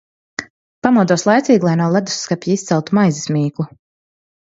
Pamodos laicīgi, lai no ledusskapja izceltu maizes mīklu.